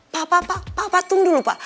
pak pak pak pak pak tunggu dulu pak